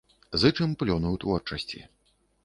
Зычым плёну ў творчасці.